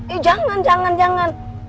eh jangan jangan jangan